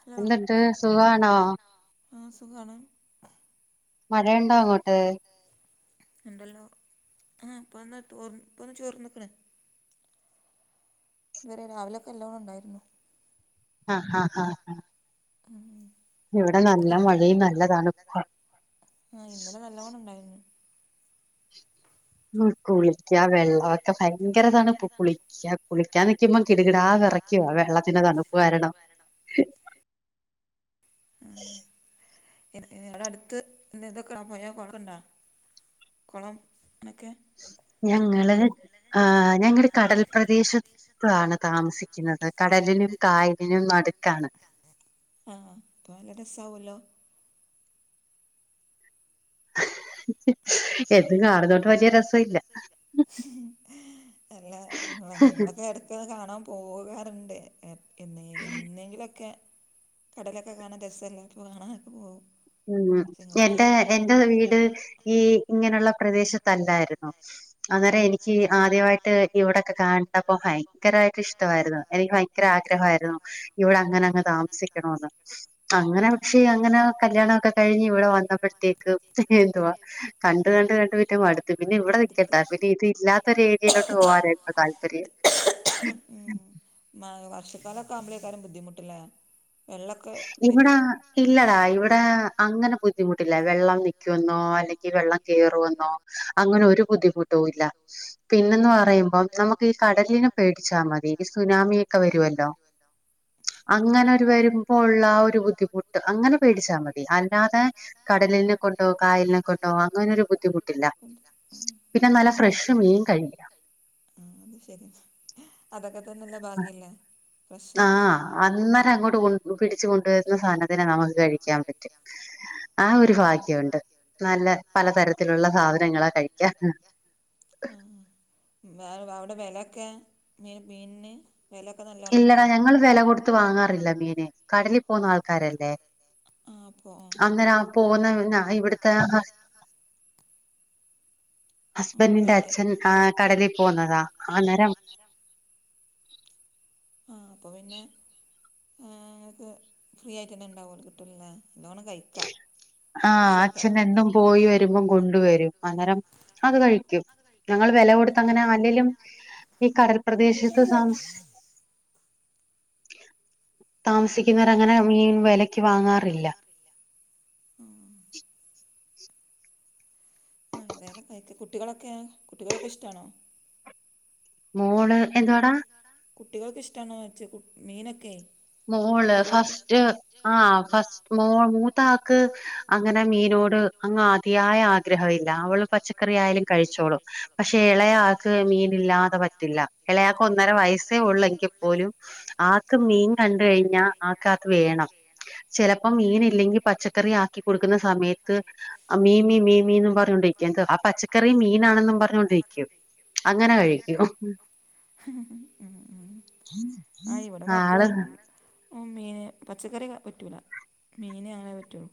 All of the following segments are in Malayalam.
ഹലോ എന്നിട്ട് സുഖണോ? ആ, സുഖമണ്. മഴയുണ്ടോ അങ്ങോട്ട്? ഉണ്ടല്ലോ, ആ ഇപ്പ വന്ന് തോർ ഇപ്പ ഒന്ന് ചോർ ന്ന്ക്ണ്‌. ഇന്നലെ രാവിലൊക്കെ നല്ലോണം ഉണ്ടായിരുന്നു. ആ, ഹ, ആ, ഹ, ആ. ഉം ഉ. [inaudible] മഴയും നല്ല തണുപ്പുവാ ആ, ഇന്നലെ നല്ലൊണം ഉണ്ടായിരുന്നു. കുളിക്കാ വെള്ളമൊക്കെ ഭയങ്കര തണുപ്പ്കുളി കുളിക്കാൻ നിൽക്കുമ്പോം കിടുകിടാ വിറക്കുവാ വെള്ളത്തിന്റെ തണുപ്പ്കാരണം. അവിടെ അടുത്തു നിന്തുന്ന പുയകളുണ്ടോ? കൊളം, ഒക്കെ. ഞങ്ങൾ ആ, ഞങ്ങൾ കടൽപ്രദേശത്താണ് താമസിക്കുന്നത്. കടലിനും കായലിനും നടുക്കാണ്. അ, അപ്പ നല്ല രസാവോല്ലോ. ഹ്‌ഹ്, എന്നും കാണുന്നോണ്ട് വലിയ രസം ഇല്ല. [inaudible] അല്ല ഞങ്ങളൊക്കെ ഇടയ്ക്ക് ഒക്കെ കാണാൻ പോകാറുണ്ട്. എന്നെ ങ്കിലൊക്കെ കടലൊക്കെ കാണാൻ രസല്ലെ, അപ്പോ കാണാനൊക്കെ പോകും. ഉം. പക്ഷെ എന്റെ നിങ്ങൾക്ക് എന്റെ വീട് ഈ ഇങ്ങനെയുള്ള പ്രദേശത്തല്ലായിരുന്നു. അന്നേരം എനിക്ക് ആദ്യമായിട്ട് ട്ട് ഇവിടെക്കെ കണ്ട പ്പോ ഭയങ്കരമായിട്ട് ഇഷ്ടമായിരുന്നു. എനിക്ക് ഭയങ്കര ആഗ്രഹമായിരുന്നു. ഇവിടെ അങ്ങനെ അങ്ങ് താമസിക്കണന്ന്. അങ്ങനെ പക്ഷേ അങ്ങനെ കല്യാണംമൊക്കെ കഴിഞ്ഞ് ഇവിടെ വന്നപ്പോഴത്തേക്ക് എന്തുവാ കണ്ട് കണ്ട് കണ്ട് പിറ്റെ മടുത്ത്. പിന്നെ ഇവിടെ മടുത്ത് നിക്കണ്ട, പിന്നെ ഇതി ഇല്ലാത്ത ഒരു ഏരിയയിലോട്ട് പോകാനായി താല്പര്യം. മഴ വർഷക്കാലൊക്കെ ആവുമ്പോഴേക്കാരം ബുദ്ധിമുട്ടില്ലെ, വെള്ളൊക്കെ വരൊ ഇവിടെ ഇല്ലടാ ഇവിടെ അങ്ങനെ ബുദ്ധിമുട്ടില്ല. വെള്ളം നിക്കെന്നോ അല്ലെങ്കിൽ വെള്ളം കേറുവെന്നോ അങ്ങനെ ഒരു ബുദ്ധിമുട്ടും ഇല്ല. പിന്നന്ന് പറയുമ്പോം നമുക്ക് ഈ കടലിനെ പേടിച്ചാൽ മതി. ഈ സുനാമിയൊക്കെ വരുവല്ലോ. ഉം അങ്ങനെരു വരുമ്പോ ഉള്ള ആ ഒരു ബുദ്ധിമുട്ട് അങ്ങനെ പേടിച്ചാൽ മതി. അല്ലാതെ കടലിനെ കൊണ്ടോ കായലിനെ കൊണ്ടോ അങ്ങനെരു ബുദ്ധിമുട്ടില്ല. ഉം പിന്നെ നല്ല ഫ്രഷ് മീൻ കഴിക്കാം ആ അത് ശരി അതൊക്കെ തന്നെല്ല ഭാഗ്യം ല്ലേ ആഹ് അന്നേരം അങ്ങോട്ട് കൊണ്ട് പിടിച്ച കൊണ്ടുവരുന്ന സാധനത്തിനെ നമുക്ക് കഴിക്കാൻ പറ്റും ആ ഒരു ഭാഗ്യുണ്ട് നല്ല പലതരത്തിലുള്ള സാധനങ്ങളാ കഴിക്കാ ആഹ് വ വ അവിടെ വെലൊക്കെ മീനിന് വിലക്കൊ നല്ല ഇല്ലടാ ഞങ്ങൾ വില കൊടുത്ത് വാങ്ങാറില്ല മീന് കടലിൽ പോകുന്ന ആൾക്കാരല്ലേ ആ അപ്പോ അങ്ങനെ അപ്പം ഓന് ഇവിടുത്തെ ഹസ് ആ അപ്പോ ഹസ്ബൻറിിന്റെ അച്ഛൻ ആന് കടലിൽ പോകുന്നതാ ആന്നേരം അപ്പോൾ ആഹ് അപ്പോ പിന്നെ ഏഹ് ഇങ്ങക്ക് ഫ്രീ ആയിട്ട് തന്നെ ഉണ്ടാവോലേ കിട്ടില്ല്ലേ നല്ലോണം കഴിക്കാ ആഹ് അച്ഛനെന്നും പോയി വരുമ്പോം കൊണ്ട് വരും അന്നേരം അത് കഴിക്കും ഞങ്ങൾ വില കൊടുത്ത് അങ്ങനെ അല്ലലും ഈ കടൽ പ്രദേശത്ത് താമ താമസിക്കുന്നവർ അങ്ങനെ മീൻ വിലക്ക് വാങ്ങാറില്ല ഉം [inaudible] [unintelligible] കുട്ടികളൊക്കെ കുട്ടികളൊക്കെ ഇഷ്ടമാണോ മോള് എന്തുവാടാ കുട്ടികൾക്ക് ഇഷ്ടാണൊ വച്ചത് മീനൊക്കെ മോള് ഫസ്റ്റ് ആഹ് ഫസ്റ്റ് മോൾ മൂത്താക്ക് അങ്ങനെ മീനോട് അങ്ങ് അതിയായ ആഗ്രഹമീല്ല അവള് പച്ചക്കറി ആയാലും കഴിച്ചോളും പക്ഷേ ഇളയയാൾക്ക് മീനീല്ലാതെ പറ്റില്ല ഇളയാക്ക് ഒന്നര വയസ്സേ ഉള്ളെങ്കിൽ പോലും ആക്ക് മീൻ കണ്ടാ കഴിഞ്ഞൽ ആകാത് വേണം ചിലപ്പോ മീൻ ഇല്ലെങ്കിൽ പച്ചക്കറി ആക്കി കൊടുക്കുന്ന സമയത്ത് മീമി മീമി മീന്നും പറഞ്ഞോണ്ടിരിക്കുവ എന്താ ആ പച്ചക്കറി മീനാണെന്നും പറഞ്ഞോണ്ടിരിക്കും അങ്ങനെ കഴിക്കും ആഹ് ഇവിടെ ആള് മക്കളും ഓ മീൻ പച്ചക്കറി പറ്റൂല മീന് അങ്ങനെ പറ്റുള്ളൂ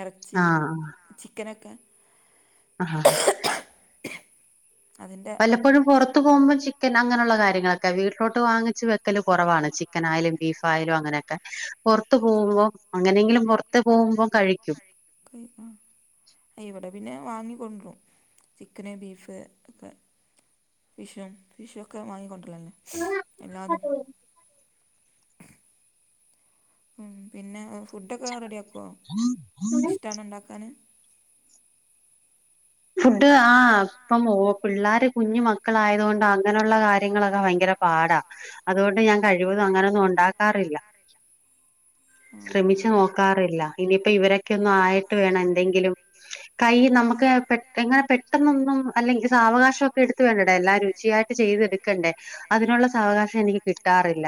ഇറച്ചി ആഹ് ചിക്കനൊക്കെ ആഹ് അതിൻ്റെ വല്ലപ്പോഴും പുറ ഒറത്ത് പോകുമ്പോൾ ചിക്കൻ അങ്ങനെയുള്ള കാര്യങ്ങളൊക്കെ വീട്ടിലോട്ട് വാങ്ങിച്ച വെക്കല് കുറവാണ് ചിക്കൻ ആയാലും ബീഫായാലും അങ്ങനെ ഒക്ക പുറത്ത് പോകുമ്പോം അങ്ങനെങ്കിലും പുറത്ത് പോകുമ്പോം കഴിക്കും കയി ആഹ് ഇവിടെ പിന്നെ വാങ്ങിക്കൊണ്ടും ചിക്കന് ബീഫ് ഒക്കെ ഫിഷും ഫിഷും ഒക്കെ വാങ്ങിക്കൊണ്ടരലന്നേ എല്ലാതും ഉം പിന്നെ ഫുഡൊക്കെ റെഡിയ ആക്കുമോ ഇഷ്ടാണേ ഉണ്ടാക്കാന് ഫുഡ് ആ് ഇപ്പം ഓ പിള്ളോര് കുഞ്ഞു മക്കള ആയതു കൊണ്ട് അങ്ങനെയുള്ള കാര്യങ്ങളൊക്കെ ഭയങ്കര പാടാ അതുകൊണ്ട് ഞാൻ കഴിവതും അങ്ങനൊന്നും ഉണ്ടാക്കാറില്ല ശ്രമിച്ചു പറ്റിച്ച് നോക്കാറില്ല ഇനിയിപ്പോ ഇവരൊക്കെയ ഒന്നും ആയിട്ട് വേണം എന്തെങ്കിലും കൈയ് നമുക്ക് പെട്ടെന്ന്. പെട്ടെന്നൊന്നും അല്ലെങ്കിൽ സാവകാശം ഒക്കെ എടുത്തുേണ്ടേ എല്ലാം രുചിയായിട്ട് ചെയ്തെടുക്കണ്ടേ അതിനുള്ള സാവകാശം എനിക്ക് കിട്ടാറില്ല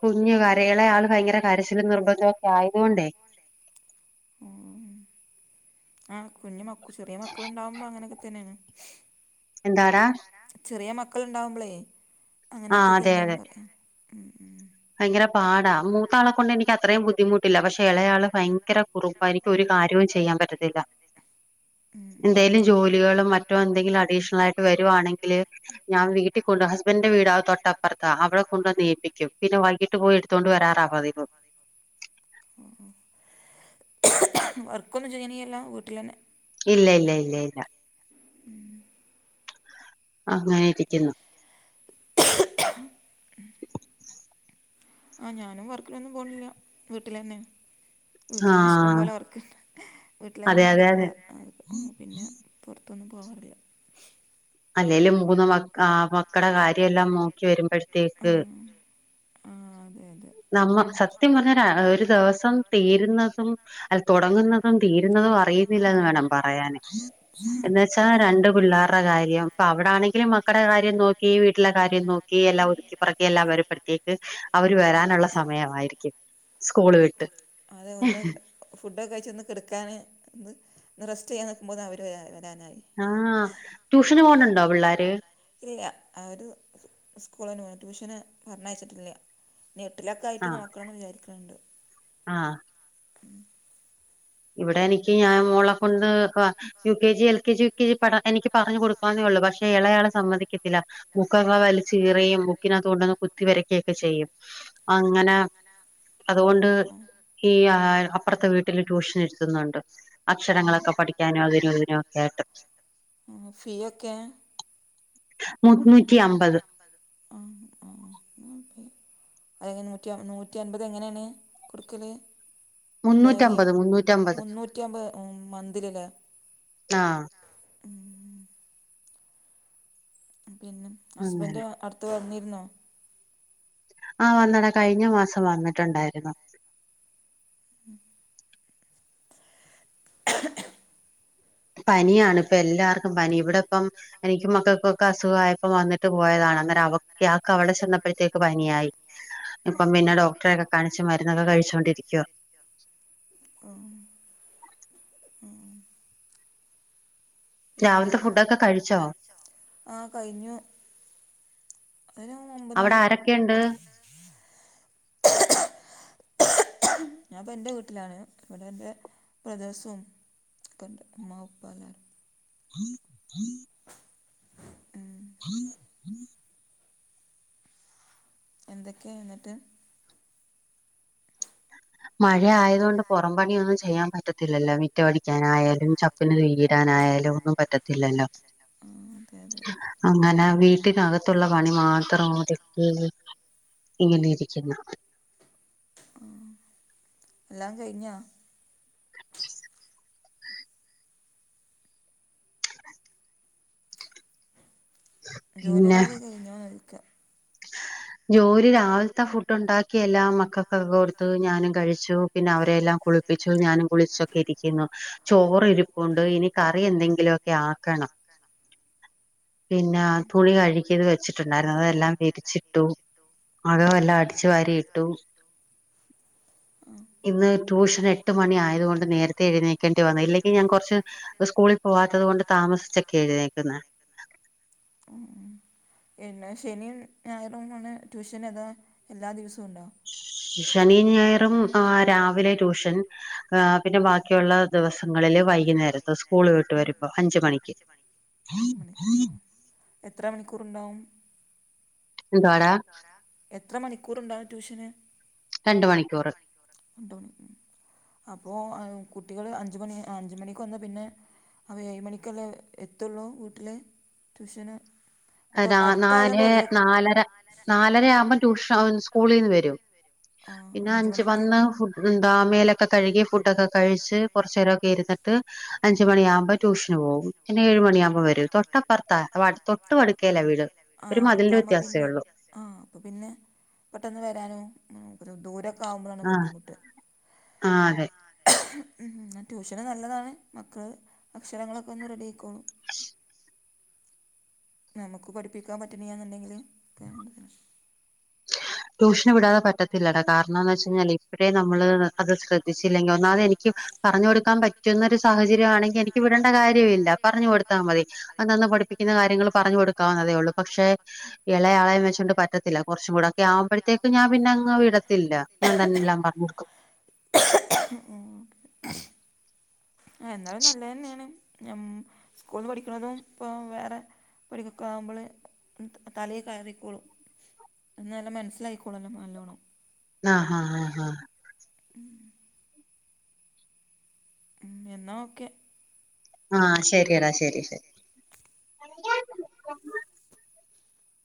കുഞ്ഞു കരയല് ആള് ഭയങ്കര കരച്ചിലും നിർബന്ധം ഒക്കെ ആയതോണ്ടെ ആഹ് കുഞ്ഞ് മക്ക് ചെറിയ മക്കൾ ഇണ്ടാവുമ്പ അങ്ങന ക്കത്തന്നേണ് എന്താരാ ചെറിയ മക്കള് ഉണ്ടാവുമ്പളേ ആഹ് അങ്ങനെയെക്കെ അതെ തന്നെയാണ് അതെ പറയാ ഉം ഉം ഭയങ്കര പാടാ മൂത്താളെ കൊണ്ട് എനിക്ക് അത്രയും ബുദ്ധിമുട്ടില്ല പക്ഷെ എളയാള് ഭയങ്കര കുറുമ്പാ എനിക്ക് ഒരു കാര്യോം ചെയ്യാൻ പറ്റത്തില്ല ഉം എന്തേലും ഉം ജോലികളും മറ്റോ എന്തെങ്കിലും അഡീഷണലായിട്ട് വര് വരുവാണെങ്കില് ഞാൻ വീട്ടി കൊണ്ട് ഹസ്ബന്റെ വീടാ തൊട്ടപ്പറത്താ അവടെ കൊണ്ടുവന്നേൽപ്പിക്കും പിന്നെ വൈകീട്ട് പോയ് എടുത്താേണ്ട് വരാറാ പതിവ് വർക്കൊന്നും ചെയ്യണീയല്ലാ വീട്ടിലന്നെ ഇല്ല ഇല്ല ഇല്ല ഇല്ല ഉം അങ്ങനെ ഇരിക്കുന്നു [unintelligible] [inaudible] ആഹ് ഞാനും വർക്കിലൊന്നും പോണില്ല വീട്ടിലന്നെ വീട്ടിലന്നെ ഇഷ്ടം ആഹ് പോലെ വർക്ക് വീട്ടിൽ അതെ എന്നെ അതെ അടുക്കള അതെ പിന്നെ പൊർത്തൊന്നും പോവാറില്ല അല്ലേലും മൂന്ന് മക്ക് ആ മക്കടെ കാര്യഎല്ലാം നോക്കി വരുമ്പഴ്ത്തേക്ക് ആഹ് അതെ അതെ നമ്മ നമ്മൾ സത്യം പറഞ്ഞാ ഒര പറഞ്ഞ ഒര് ദിവസം തീരുന്നതും അല്ല തൊടങ്ങുന്നതും തീരുന്നതും അറിയ് ന്നില അറിയില്ല വേണം എന്ന് പറയാന് പറയാൻ. എന്ന് വെച്ചാ രണ്ട് പിള്ളാറ്ടെ കാര്യം അപ്പൊ അവടാണെങ്കിലും മക്കടെ കാര്യം നോക്കി വീട്ടില കാര്യം നോക്കി എല്ലാം ഒതുക്കി പറക്കി എല്ലാം വരുപ്പെട്ത്തി ക്ക് അവര് വരാനള്ള സമയമായിരിക്കും സ്കൂള് വിട്ട് അതെ ഒന്ന് ഫുഡൊക്കെ കഴിച്ച് ഒന്ന് കെടക്കാന് ഒന്ന് റെസ്റ്റ് ചെയ്യാൻ നിക്കുമ്പോത്തിന് അവര് വരാ വരാനായി ആഹ് ട്യൂഷന് പോണ് ഇല്ല അവര് സ്കൂള്ന് പോയാ ട്യൂഷന് പറഞ്ഞയച്ചിട്ടില്ല നീട്ടലൊക്കെ ആയിട്ട് ആഹ് നോക്കണംന്ന് വിചാരിക്ക്ണ്ട് ആഹ് [inaudible] ഇവിടെ നി ക്കി ഞാൻ മുത്ത് മോളെ കൊണ്ട് പ്പോ U K G L K G യൊക്കെപഠ എനിക്കി പറഞ്ഞു കൊടുക്കാനേ ഒള്ളൂ പക്ഷേ ഇളയാള് സമ്മതിക്കത്തില്ല ബുക്കാെക്കെ വലിച്ച്കീറിം ബുക്കിനകത്ത് കൊണ്ടന്ന് കുത്തി വരക്കെക്കെ ചെയ്യും അങ്ങനെ ഓഹ് അതുകൊണ്ട് ഓഹ് ഓഹ് ഈ ആ അപ്പർത്തെ വീട്ടില് ട്യൂഷൻ ഇരുത്തുന്നുണ്ട് അക്ഷരങ്ങളൊക്കെ പഠിക്കാനും അതിനും ഇതിനും ഒക്കെ ആയിട്ട് ആഹ് ഫീയൊക്കെ മൂന്നൂറ്റി അമ്പ ആഹ് ആഹ് എന്നാ ഓക്കെ അഎങ്ങനെ നൂറ്റി നൂറ്റി അൻപത് എങ്ങനേണ് കൊടുക്കല് ഡെയ്ലോ മുന്നൂറ്റമ്പത് മുന്നൂറ്റമ്പത് മൂന്നൂറ്റി അമ്പത് ഉം മൻതിലല്ലേ ആഹ് പിന്നെ അങ്ങനെ ഹസ്ബന്റ് അട്ത്ത് വന്നിരുന്നോ ആഹ് വന്ന ഡാ കഴിഞ്ഞ മാസം വന്നിട്ടുണ്ടായിരുന്നു ഉം പനിയാണ് പ്പെ എല്ലാർക്കും പനി. ഇവ്ടെപ്പം എനിക്കും മക്കൾക്കൊക്കെ അസുഖായപ്പം വന്നിട്ട് പോയതാണ് അന്നേരം അവ ഇയാക്ക് അവടെ ചെന്നപ്പഴത്തേക്ക് പനിയായി. ഇപ്പം ഉം പിന്നെ ഡോക്ടറെ ഒക്കെ കാണിച്ച് മരുന്നൊക്കെ കഴിച്ചോണ്ടിരിക്കുവാ. ആഹ് പിന്നെ. രാവിലത്തെ ഫുഡൊക്കെ രവില്ത്തെ ഫുഡോക്കെ കഴിച്ചോ കഴിച്ചൊ? ആഹ് കഴിഞ്ഞു. അതൊരു അവിടെ ഒമ്പതണി ഒ അവടെ ആരൊക്കെയുണ്ട് ആരൊക്കെണ്ട്? ഞാൻ പ്പൊ എന്റെ വീട്ട്ലാണ്. ഇവടെ എന്റെ ബ്രദേഴ്സും ഒക്കണ്ട്. ഉമ്മ, ഉപ്പ എല്ലാരും ആഹ് എന്തൊക്കെയാന്ന്ട്ട്. മഴ ആയതുകൊണ്ട് പൊറം പണിയൊന്നും ചെയ്യാൻ പറ്റത്തില്ലല്ലൊ. മിറ്റൊ അടിക്കാനായാലും ചപ്പിന് തീയ്യ് ടാനായാലും ഒന്നും പറ്റത്തില്ലല്ലൊ. ആ അതെ അതെ അങ്ങനെ വീട്ടിനകത്തുള്ള പണി മാത്രം [unintelligible] ഇങ്ങനെ ഇരിക്കുന്നു. ആഹ് എല്ലാം കഴിഞ്ഞൊ? പിന്നെ ജോലികളൊക്കെ കഴിഞ്ഞൊ ചോയിക്ക. ജോലി രാവില്ത്തെ ഫുഡൊണ്ടാക്കി എല്ലാം മക്കക്കൊക്കെ കൊട് ത്ത് ഞാനും കഴിച്ചു. പിന്നെ അവരെ എല്ലാം കുളിപ്പിച്ചു ഞാനും കുളിച്ചൊക്കെ ഇരിക്കുന്നു. ചോറ് ഇരി പ്പുണ്ട് ഇനി കറി എന്തെങ്കിലൊക്കെ ആക്കണം. പിന്നെ തുണി കഴുകിയത് വെച്ചിട്ടുണ്ടായിരുന്നു. അതെല്ലാം വിരിച്ചിട്ടു. അകം എല്ലാം അടിച്ചു വാരി ഇട്ടു. ആ ഇന്ന് ട്യൂഷന് എട്ട് മണി ആയത്കൊണ്ട് നേരത്തെ എഴുന്നേക്കേണ്ടി വന്നു. ഇല്ലെങ്കി ഞാൻ കൊർച്ച് സ്കൂളിൽ പോവാത്തത്കൊണ്ട് താമസിച്ചൊക്കെ എഴുന്നേക്കുന്നെ. എല്ലാ ശനിയും, ഞായറും ആണ് ട്യൂഷന് അതാ എല്ലാ ദിവസവും ഉണ്ടൊ? ശനിയും, ഞായറും ആഹ് രാവിലെ ട്യൂഷൻ ആ പിന്നെ ബാക്കിയുള്ള ദിവസങ്ങളില് വൈകുന്നേരത്ത്. സ്കൂൾ വിട്ട് വരുമ്പൊ അഞ്ച് മണിക്ക്. ആഹ് എത്ര മണിക്കൂറ്ണ്ടാവും? എന്തുവാടാ ആരാ. എത്ര മണിക്കൂറ്ണ്ടാവും ട്യൂഷന്. രണ്ട് മണിക്കൂ... രണ്ട് മണി. അപ്പൊ അഹ് കുട്ടികള് അഞ്ച് മണി ആഹ് അഞ്ച് മണിക്ക് വന്ന് പിന്നെ അപ്പൊ ഏഴ് മണിക്കല്ലെ എത്തൊള്ളു വീട്ടില്. ട്യൂഷന് ഏഹ് തൊട്ട് രാ അടുത്തായതുകൊണ്ട് നാലേ വലിയ നാലര, നാലരയാവ്‌മ്പൊ ട്യൂഷ സ്കൂളീന്ന് വരും. ആ പിന്നെ അഞ്ച് മണിക്ക് വന്ന് ഫു ന്താ എന്താ മേലൊക്കെ കഴുകി, ഫുഡൊക്കെ ഒക്കെ കഴിച്ച് കൊർച്ചേരൊക്കെ ഇര്ന്ന്ട്ട് അഞ്ച് മണിയാവ്‌മ്പൊ ട്യൂഷന് പോവും. പിന്നെ ഏഴ് മണിയാവ്‌മ്പൊ വരും. തൊട്ടപ്പർത്താ വാ തൊട്... ട്ടു വട്ക്കേല വീട്. ഒരു മത്ൽന്റെ വ്യത്യാസെ ഒള്ളു ആഹ് അപ്പൊ പിന്നെ പെട്ടെന്ന് വരാനും ഉം ഒര് ദൂര ക്കാവുമ്പളാണ് ആ ബുദ്ധിമുട്ട്. ആ അതെ ആഹ് അതെ. ഉം ട്യൂഷന് നല്ലതാണ്. മക്കള് അക്ഷരങ്ങളൊക്കെ ഒന്ന് റെഡിയായിക്കോളും. [unintelligible] നമുക്ക് പഠിപ്പിക്കാൻ പറ്റ്ണ്ല്ലാന്ന്ണ്ടെങ്കില് [unintelligible] ട്യൂഷന് വിടാതെ പറ്റത്തില്ലടാ കാരണംന്ന് വെച്ചഴിഞ്ഞാലേ ഇപ്പഴേ നമ്മള് അത് ശ്ര ദ്ധിച്ചില്ലെങ്കി ഒന്നാമത് എനിക്കും പറഞ്ഞു കൊടുക്കാൻ പറ്റുന്നൊരു സാഹചര്യംമാണെങ്കിൽ എനിക്ക് വിടേണ്ട കാര്യവില്ല പറഞ്ഞു കൊടുത്താ മതി. അന്നാന്ന് പഠിപ്പിക്കുന്ന കാര്യങ്ങൾ പറഞ്ഞു കൊടുക്കാവുന്നതേ ഒള്ളൂ പക്ഷേ ഇളയാളേം വെച്ചോണ്ട് പറ്റത്തില്ല. കൊറച്ചുംകൂടൊക്കെ ആവുമ്പഴ്ത്തേക്ക് ഞാൻ പിന്നങ്ങ് വിടത്തില്ല ഞാൻ തന്നെല്ലാം പറഞ്ഞ് കൊടുക്കും. [unintelligible] എന്നാലും നല്ലതെന്നേണ് ഞ്ഞം സ്കൂള്ന്ന് പഠിക്ണതും ഇപ്പം വേറെ പടിക്കൊക്കെ ആവുമ്പള് തലേ കയറിക്കോളും. എന്ന നല്ല മനസ്സിലായിക്കോള്ളല്ലോ നല്ലോണ്ണം. ആഹ് ഹാ ഹാ ഹാ. ഉം ഉം എന്നാ ഓക്കെ. ആഹ് ശരിയടാ ശരി ശരി.